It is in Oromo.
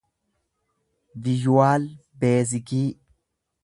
vizyuwaal beezikii